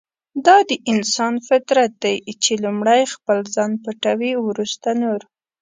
دا د انسان فطرت دی چې لومړی خپل ځان پټوي ورسته نور.